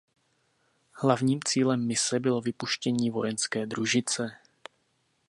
Hlavním cílem mise bylo vypuštění vojenské družice.